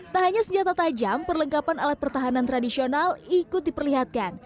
tak hanya senjata tajam perlengkapan alat pertahanan tradisional ikut diperlihatkan